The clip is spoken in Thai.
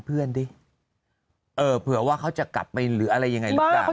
เพื่อนดิเออเผื่อว่าเขาจะกลับไปหรืออะไรยังไงบ้างเขา